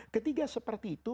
ketiga seperti itu